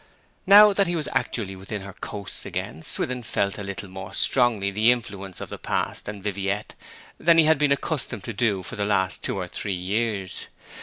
Now that he was actually within her coasts again Swithin felt a little more strongly the influence of the past and Viviette than he had been accustomed to do for the last two or three years.